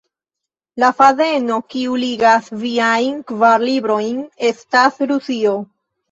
La fadeno kiu ligas viajn kvar librojn estas Rusio.